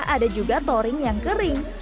ada juga toring yang kering